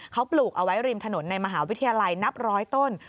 เขาปลูกเอาไว้ริมถนนในมหาวิทยาลัยนับร้อยต้น